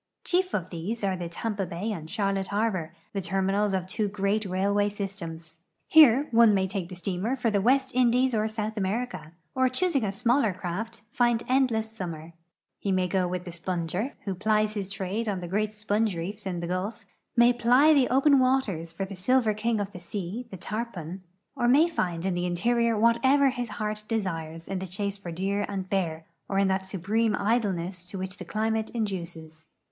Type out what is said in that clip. Chief of these are Tampa bay and Charlotte harbor, the terminals of two great railway systems. Here one may take steamer for the West NAT. GEOG. MAG. VOL. VII, 1896, PL. XL ON THE ST. JOHNS RIVER FALLS OF THE MIAMI RIVER OF THE UNITED STATES 385 Indies or South America, or, choosing smaller craft, find end less summer. He ma}^ go with the sponger, who plies his trade on the great S})onge reef in the Gulf ; may ply the open waters for tlie silver king of the sea, the tarpon, or may find in the interior whatever his heart desires in the chase for deer and bear, or in that 'supreme idleness to which the climate induces.